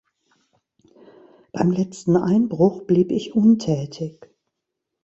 Beim letzten Einbruch blieb ich untätig.